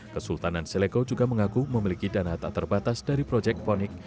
kesultanan seleko juga mengaku memiliki dana tak terbatas dari proyek ponik